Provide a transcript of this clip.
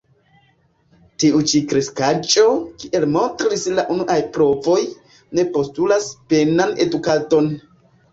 Tiu ĉi kreskaĵo, kiel montris la unuaj provoj, ne postulas penan edukadon.